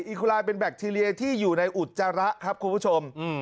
อคุลายเป็นแบคทีเรียที่อยู่ในอุจจาระครับคุณผู้ชม